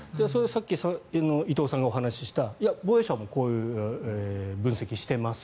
さっき伊藤さんがお話しした防衛省はこういう分析してます